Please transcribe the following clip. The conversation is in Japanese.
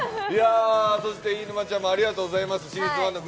そして飯沼ちゃんもありがとうございます。